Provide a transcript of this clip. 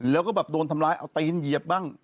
แล้วก็แบบโดนทำร้ายเอาตีนเหยียบบ้าง